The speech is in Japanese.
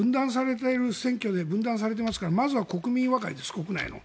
今、選挙で分断されていますからまずは国民和解です、国内の。